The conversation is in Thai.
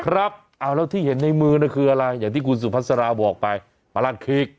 ครับเอาแล้วที่เห็นในมือคืออะไรอย่างที่คุณสุภาษาราบอกไปประหลัดขีก